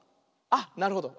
あっなるほど。